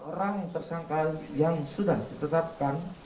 orang tersangka yang sudah ditetapkan